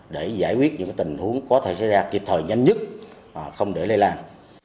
để giải quyết những tình huống có thể xảy ra kịp thời nhanh nhất không để lây lan